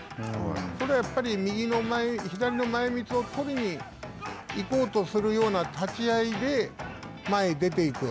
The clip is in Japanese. それは、やっぱり右の前左の前褌を取りに行こうとするような立ち合いで前に出ていく。